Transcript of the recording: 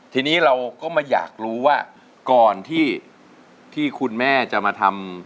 ทีนี้เราก็มาอยากรู้ว่าก่อนที่คุณแม่จะมาทำ